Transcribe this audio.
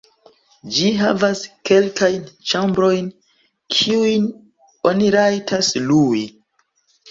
Ĝi havas kelkajn ĉambrojn, kiujn oni rajtas lui.